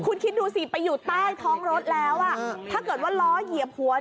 คุณคิดดูสิไปอยู่ใต้ท้องรถแล้วอ่ะถ้าเกิดว่าล้อเหยียบหัว